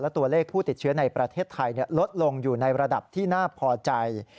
ตัวเลขผู้ติดเชื้อในประเทศไทยลดลงอยู่ในระดับที่น่าพอใจ